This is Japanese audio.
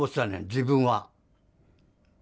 自分は。